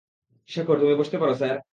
শেখর, তুমি বসতে পারো স্যার!